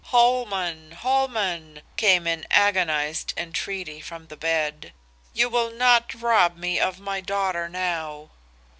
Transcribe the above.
"'Holman! Holman!' came in agonized entreaty from the bed, 'you will not rob me of my daughter now?